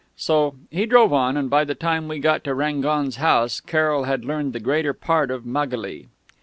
So he drove on, and by the time we got to Rangon's house Carroll had learned the greater part of Magali....